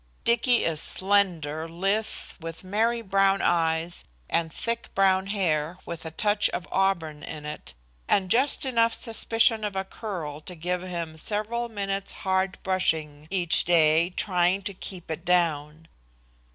Dicky is slender, lithe, with merry brown eyes and thick, brown hair, with a touch of auburn in it, and just enough suspicion of a curl to give him several minutes' hard brushing each day trying to keep it down.